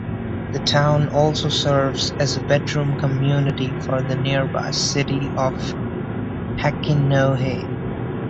The town also serves as a bedroom community for the nearby city of Hachinohe.